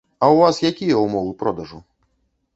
А ў вас якія ўмовы продажу?